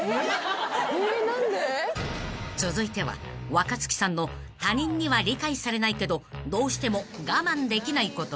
［続いては若槻さんの他人には理解されないけどどうしても我慢できないこと］